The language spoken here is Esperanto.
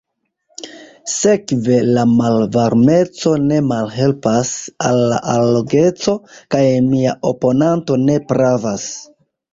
Sekve, la malvarmeco ne malhelpas al la allogeco, kaj mia oponanto ne pravas.